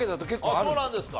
ああそうなんですか。